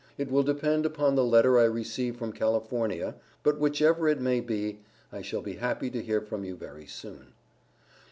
It will depend upon the letter I receive from California, but whichever it may be, I shall be happy to hear from you very soon.